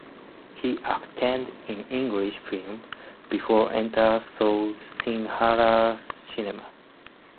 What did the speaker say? He acted in an English film before enter to Sinhala cinema.